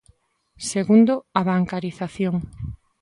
Segundo, a bancarización.